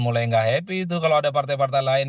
mulai nggak happy itu kalau ada partai partai lain